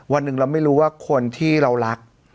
วันหนึ่งเราไม่รู้ว่าคนที่เรารัก